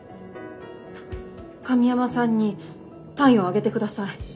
神山さんに単位をあげて下さい。